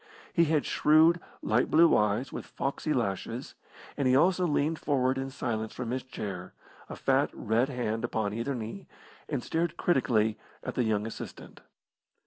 He had shrewd, light blue eyes with foxy lashes, and he also leaned forward in silence from his chair, a fat, red hand upon either knee, and stared critically at the young assistant.